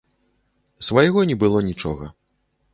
Свайго не было нічога.